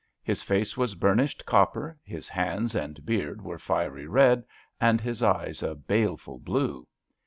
His face was burnished copper, his hands and beard were fiery red and his eyes a baleful blue.